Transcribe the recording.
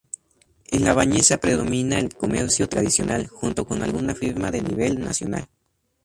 En La Bañeza predomina el comercio tradicional, junto con alguna firma de nivel nacional.